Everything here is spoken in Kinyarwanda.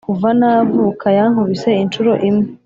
kuva navuka yankubise inshuro imwe